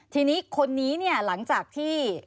ทีนี้คนนี้หลังจากที่